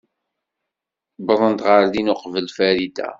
Uwḍen ɣer din uqbel Farida.